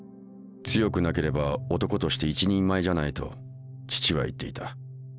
「強くなければ男として一人前じゃない」と父は言っていた。